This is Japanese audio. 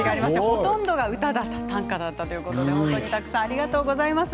ほとんどは歌短歌だったということで本当にありがとうございます。